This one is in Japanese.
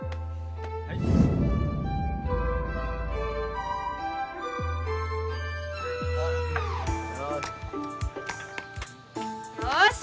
はいよし・